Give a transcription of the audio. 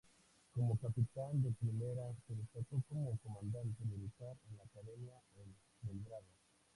Como Capitán de primera se destacó como comandante militar en la academia en Belgrado.